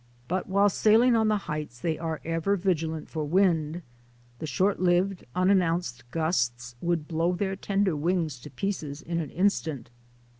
But while sailing on the heights they are ever vigilant for wind. The short lived, unannounced gusts would blow their tender wings to pieces in an instant.